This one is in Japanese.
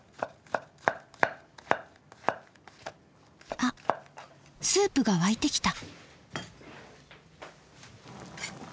あっスープが沸いてきた。